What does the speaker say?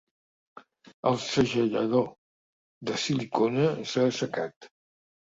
El segellador de silicona s'ha assecat.